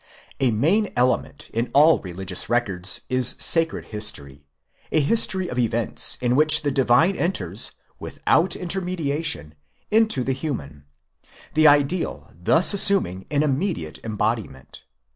A main element in all religious records is sacred history ; a history of events in which the divine enters, without intermediation, into the human ; the ideal thus assuming an immediate embodiment.